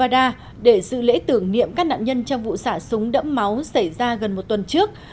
để dự lễ tưởng niệm các nạn nhân trong vụ xả súng đẫm máu xảy ra gần một tuần trước